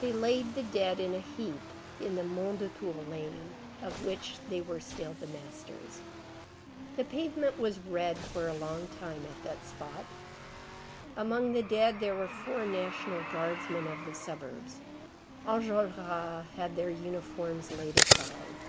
They laid the dead in a heap in the Mondétour lane, of which they were still the masters. The pavement was red for a long time at that spot. Among the dead there were four National Guardsmen of the suburbs. Enjolras had their uniforms laid aside.